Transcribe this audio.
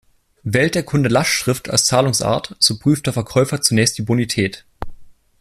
Wählt der Kunde Lastschrift als Zahlungsart, so prüft der Verkäufer zunächst die Bonität.